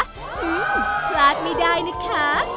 พลาดไม่ได้นะคะ